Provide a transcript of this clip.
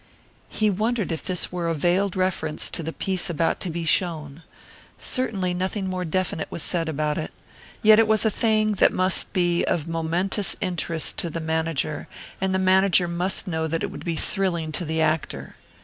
He wondered if this were a veiled reference to the piece about to be shown. Certainly nothing more definite was said about it. Yet it was a thing that must be of momentous interest to the manager, and the manager must know that it would be thrilling to the actor.